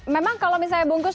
memang kalau misalnya bungkus